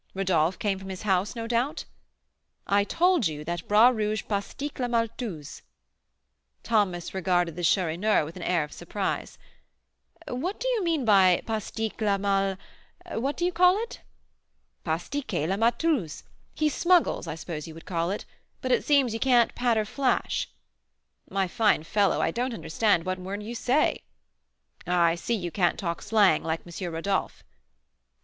Rodolph came from his house, no doubt?" "I told you that Bras Rouge pastique la maltouze." Thomas regarded the Chourineur with an air of surprise. "What do you mean by pastique la mal What do you call it?" "Pastiquer la maltouze. He smuggles, I suppose you would call it; but it seems you can't 'patter flash?'" "My fine fellow, I don't understand one word you say." "I see you can't talk slang like M. Rodolph."